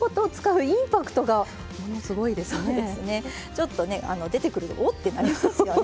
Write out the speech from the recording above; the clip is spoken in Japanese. ちょっとね出てくると「おっ？」ってなりますよね